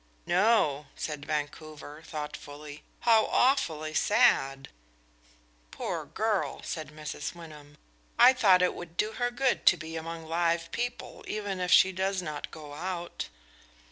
"No," said Vancouver, thoughtfully. "How awfully sad!" "Poor girl," said Mrs. Wyndham; "I thought it would do her good to be among live people, even if she does not go out."